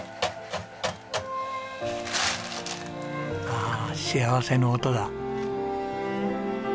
ああ幸せの音だ。